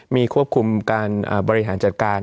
มีควบคุมการบริหารจัดการ